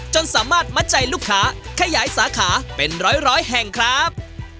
จนสามารถมัดใจลูกค้าขยายสาขาเป็นร้อยแห่งครับ